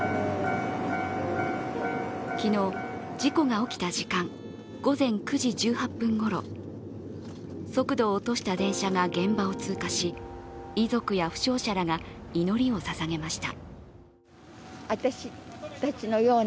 昨日、事故が起きた時間午前９時１８分ごろ速度を落とした電車が現場を通過し遺族や負傷者らが祈りをささげました。